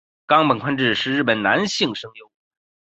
冈本宽志是日本男性声优。